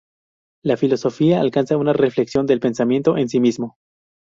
La filosofía alcanza una reflexión del pensamiento en sí mismo.